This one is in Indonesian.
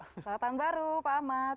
selamat tahun baru pak ahmad